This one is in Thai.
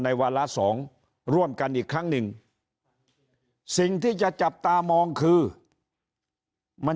วาระสองร่วมกันอีกครั้งหนึ่งสิ่งที่จะจับตามองคือมัน